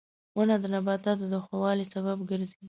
• ونه د نباتاتو د ښه والي سبب ګرځي.